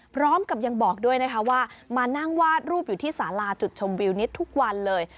พร้อมกับยังบอกด้วยนะคะว่ามานั่งวาดรูปอยู่ที่สาราจุดชมวิวนี้ทุกวันเลย